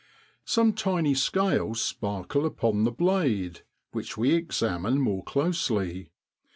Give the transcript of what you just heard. Some tiny scales sparkle upon the blade, which we examine more closely.